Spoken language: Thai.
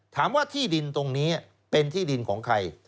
ถามว่าที่ดินตรงนี้เป็นที่ดินของใคร